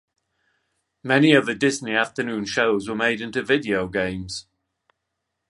Many of The Disney Afternoon shows were made into video games.